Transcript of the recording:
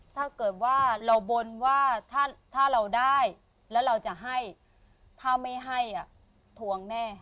ถ้าเกิดว่าเราบนว่าถ้าเราได้แล้วเราจะให้ถ้าไม่ให้ทวงแน่